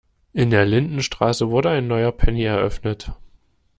In der Lindenstraße wurde ein neuer Penny eröffnet.